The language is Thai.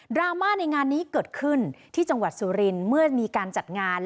ราม่าในงานนี้เกิดขึ้นที่จังหวัดสุรินทร์เมื่อมีการจัดงาน